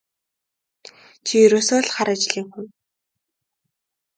Чи ерөөсөө л хар ажлын хүн.